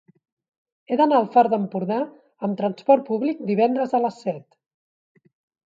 He d'anar al Far d'Empordà amb trasport públic divendres a les set.